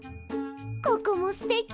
ここもすてき！